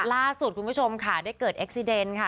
ล่าสุดคุณผู้ชมค่ะได้เกิดเอ็กซีเดนค่ะ